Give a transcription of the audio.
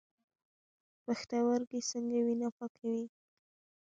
پښتورګي څنګه وینه پاکوي؟